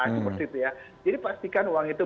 seperti itu ya jadi pastikan uang itu